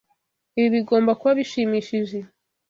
Ibi bigomba kuba bishimishije.